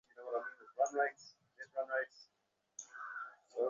এখন আপনার হাতে অপশন দুটি কিছুই না করে বসে থাকতে পারেন।